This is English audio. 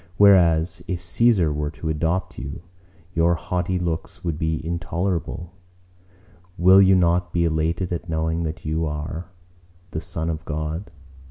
Whereas if Cæsar were to adopt you, your haughty looks would be intolerable; will you not be elated at knowing that you are the son of God?